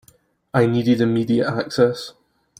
I needed immediate access.